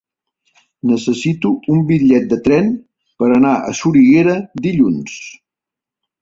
Necessito un bitllet de tren per anar a Soriguera dilluns.